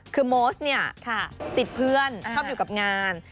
คือโมสเนี่ยติดเพื่อนชอบอยู่กับงาน